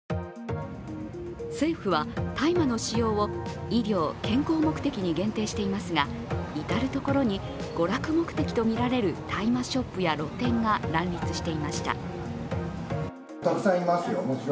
政府は大麻の使用を医療・健康目的に限定していますが至るところに娯楽目的とみられる大麻ショップや露店が乱立していました。